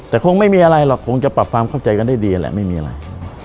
แต่คงไม่มีอะไรหรอกคงจะปรับความเข้าใจกันได้ดีแหละไม่มีอะไร